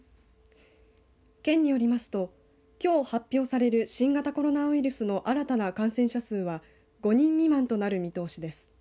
県によりますときょう発表される新型コロナウイルスの新たな感染者数は５人未満となる見通しです。